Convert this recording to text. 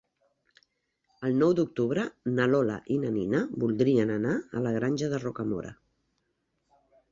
El nou d'octubre na Lola i na Nina voldrien anar a la Granja de Rocamora.